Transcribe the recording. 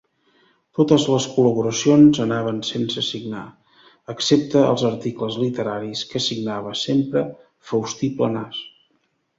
Totes les col·laboracions anaven sense signar, excepte els articles literaris que signava sempre Faustí Planàs.